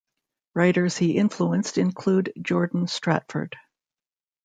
Writers he influenced include Jordan Stratford.